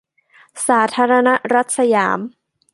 สาธารณรัฐสยาม